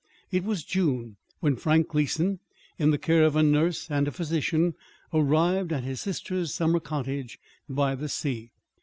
It was June when Frank Gleason, in the care of a nurse and a physician, arrived at his sister's summer cottage by the sea.